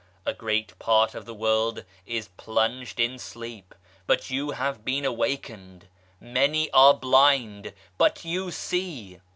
A great part of the world is plunged in sleep, but you have been awakened. Many are blind, but you see